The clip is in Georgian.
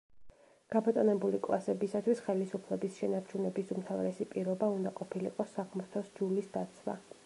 გაბატონებული კლასებისათვის ხელისუფლების შენარჩუნების უმთავრესი პირობა უნდა ყოფილიყო „საღმრთო სჯულის“ დაცვა.